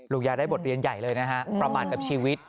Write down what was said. ยายได้บทเรียนใหญ่เลยนะฮะประมาณกับชีวิต